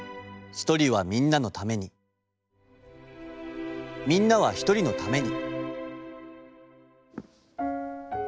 「一人はみんなのためにみんなは一人のために」。